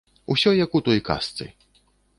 Усё як у той казцы.